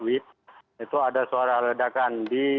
itu ada suara ledakan